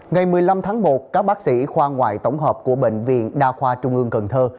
ngày một mươi năm tháng một các bác sĩ khoa ngoại tổng hợp của bệnh viện đa khoa trung ương cần thơ